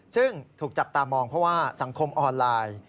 ซึ่งถูกจับตามองเพราะว่าสังคมออนไลน์